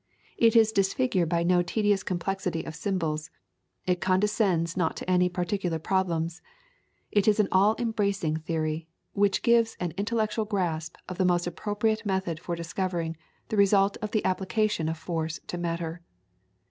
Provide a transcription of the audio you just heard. It is disfigured by no tedious complexity of symbols; it condescends not to any particular problems; it is an all embracing theory, which gives an intellectual grasp of the most appropriate method for discovering the result of the application of force to matter.